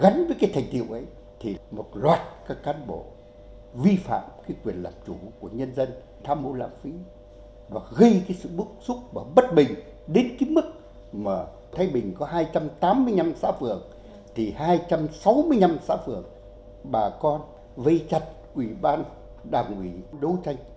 thế nhưng gắn với cái thành tiêu ấy thì một loạt các cán bộ vi phạm cái quyền lập chủ của nhân dân tham mộ lạc phí và gây cái sự bức xúc và bất bình đến cái mức mà thái bình có hai trăm tám mươi năm xã phường thì hai trăm sáu mươi năm xã phường bà con vây chặt ủy ban đảng ủy đấu tranh